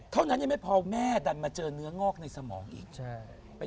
เท่านั้นยังไม่พอแม่ดันมาเจอเนื้องอกในสมองอีก